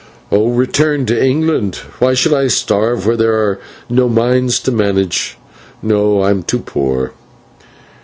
"Return to England! Why, I should starve where there are no mines to manage. No, I am too poor."